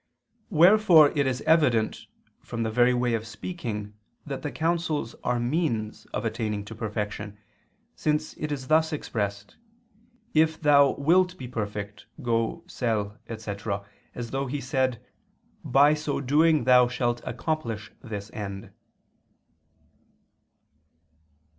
Wherefore it is evident from the very way of speaking that the counsels are means of attaining to perfection, since it is thus expressed: "If thou wilt be perfect, go, sell," etc., as though He said: "By so doing thou shalt accomplish this end."